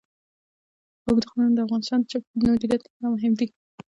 اوږده غرونه د افغانستان د چاپیریال د مدیریت لپاره مهم دي.